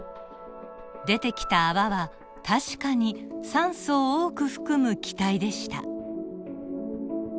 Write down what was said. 出てきた泡は確かに酸素を多く含む気体でした。